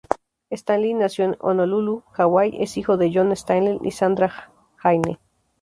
Stanley nació en Honolulu, Hawaii, es hijo de Jon Stanley y Sandra Haine.